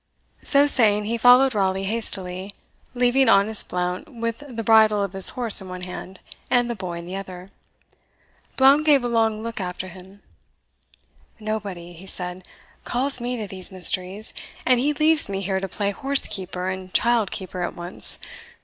So saying, he followed Raleigh hastily, leaving honest Blount with the bridle of his horse in one hand, and the boy in the other. Blount gave a long look after him. "Nobody," he said, "calls me to these mysteries and he leaves me here to play horse keeper and child keeper at once.